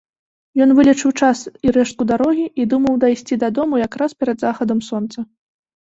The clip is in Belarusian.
Ён вылічыў час і рэштку дарогі і думаў дайсці дадому якраз перад захадам сонца.